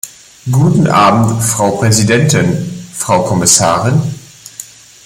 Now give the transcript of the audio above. Guten Abend Frau Präsidentin, Frau Kommissarin.